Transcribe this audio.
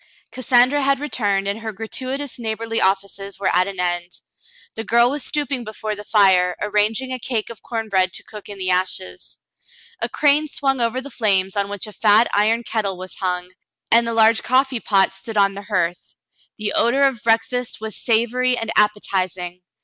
Cassandra had returned, and her gratuitous neighborly offices were at an end. The girl was stooping before the fire, arranging a cake of corn bread to cook in the ashes. A crane swung over the flames on which a fat iron kettle was hung, and the large coffee pot stood on the hearth. The odor of breakfast was 28 ' The Mountain Girl savory and appetizing.